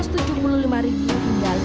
selain jam tangan